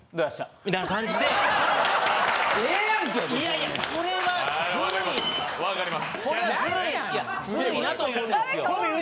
いやズルいなと思うんですよ。